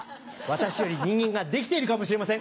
私より人間が出来ているかもしれません。